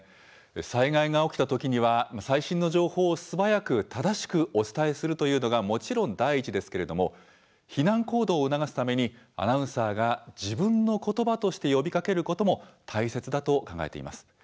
災害が起きたときには最新の情報を素早く正しくお伝えするというのがもちろん第一ですけれども避難行動を促すためにアナウンサーが自分のことばとして呼びかけることも大切だと考えています。